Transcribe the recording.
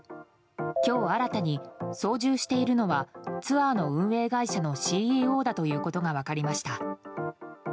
今日新たに操縦しているのはツアーの運営会社のＣＥＯだということが分かりました。